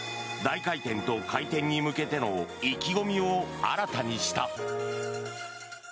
大回転と回転に向けての意気込みを新たにした。